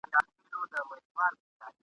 خو بدرنګه وو دا یو عیب یې په کور وو ..